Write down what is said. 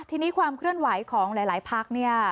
ทีนี้ความเคลื่อนไหวของหลายพักเนี่ย